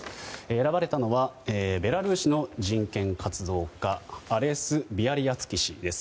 選ばれたのはベラルーシの人権活動家アレス・ビアリアツキ氏です。